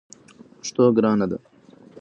پښتو ګرانه ده!